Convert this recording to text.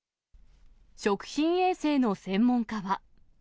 食品衛生の専門家は。